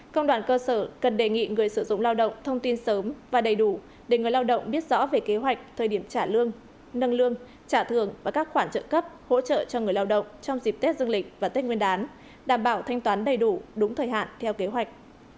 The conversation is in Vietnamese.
công đoàn cơ sở cần đề nghị người sử dụng lao động thông tin sớm và đầy đủ để người lao động biết rõ về kế hoạch thời điểm trả lương nâng lương trả thường và các khoản trợ cấp hỗ trợ cho người lao động trong dịp tết dương lịch và tết nguyên đán đảm bảo thanh toán đầy đủ đúng thời hạn theo kế hoạch